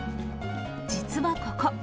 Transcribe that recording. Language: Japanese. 実はここ。